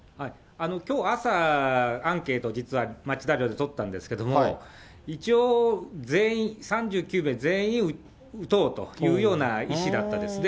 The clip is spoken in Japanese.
きょう朝、アンケートを実は町田寮で取ったんですけれども、一応全員、３９名全員打とうというような意思だったですね。